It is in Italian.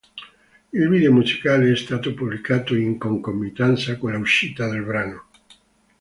Il video musicale è stato pubblicato in concomitanza con l'uscita del brano.